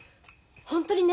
本当にね？